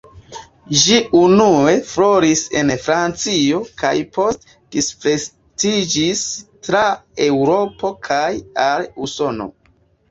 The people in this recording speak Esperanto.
Ĝi unue floris en Francio kaj poste disvastiĝis tra Eŭropo kaj al Usono.